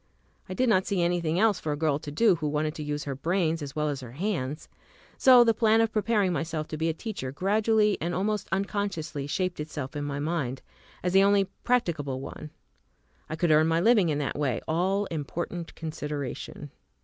I did not see anything else for a girl to do who wanted to use her brains as well as her hands. So the plan of preparing myself to be a teacher gradually and almost unconsciously shaped itself in my mind as the only practicable one. I could earn my living in that way, all important consideration.